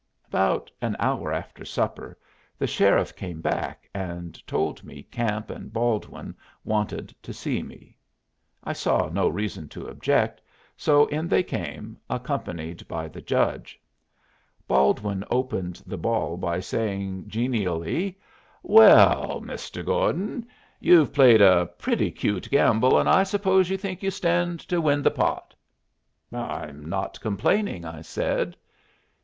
About an hour after supper, the sheriff came back and told me Camp and Baldwin wanted to see me. I saw no reason to object, so in they came, accompanied by the judge. Baldwin opened the ball by saying genially, "Well, Mr. Gordon, you've played a pretty cute gamble, and I suppose you think you stand to win the pot." "I'm not complaining," I said.